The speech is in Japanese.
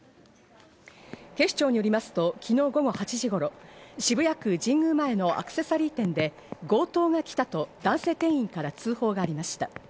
警視庁によりますと、昨日午後８時頃、渋谷区神宮前のアクセサリー店で強盗が来たと男性店員から通報がありました。